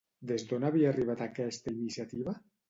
Des d'on havia arribat aquesta iniciativa?